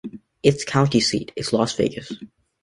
Its county seat is Las Vegas.